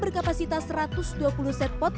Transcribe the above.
per transportation karena itu malah